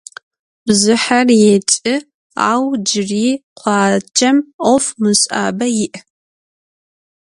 Bjjıher yêç'ı, au cıri khuacem of mış'abe yi'.